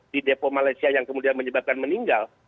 di depo malaysia yang kemudian menyebabkan meninggal